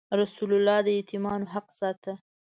رسول الله د یتیمانو حق ساته.